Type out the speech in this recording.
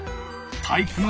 体育ノ